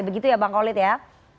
begitu ya bang kolit ya